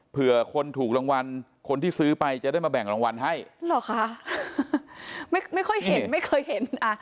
เผื่อคนถูกรางวัลคนที่ซื้อไปจะได้มาแบ่งรางวัลให้เหรอคะไม่ไม่ค่อยเห็นไม่เคยเห็นอ่ะ